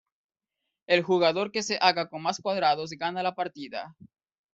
El jugador que se haga con más cuadrados gana la partida.